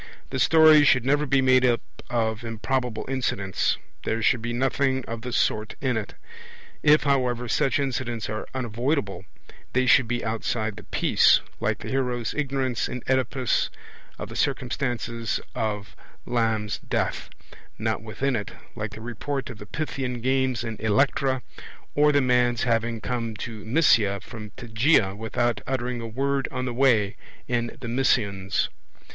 The story should never be made up of improbable incidents; there should be nothing of the sort in it. If, however, such incidents are unavoidable, they should be outside the piece, like the hero's ignorance in Oedipus of the circumstances of Lams' death; not within it, like the report of the Pythian games in Electra, or the man's having come to Mysia from Tegea without uttering a word on the way, in The Mysians.